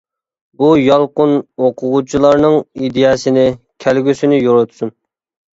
بۇ يالقۇن ئوقۇغۇچىلارنىڭ ئىدىيەسىنى، كەلگۈسىنى يورۇتسۇن!